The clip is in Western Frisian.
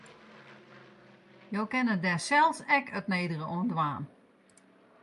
Jo kinne dêr sels ek it nedige oan dwaan.